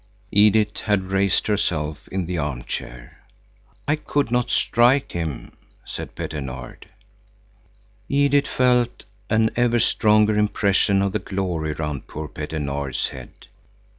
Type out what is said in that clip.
Edith had raised herself in the arm chair. "I could not strike him," said Petter Nord. Edith felt an ever stronger impression of the glory round poor Petter Nord's head.